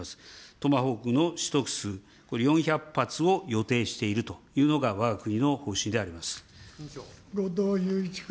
トマホークの取得数、これ４００発を予定しているというのが、わ後藤祐一君。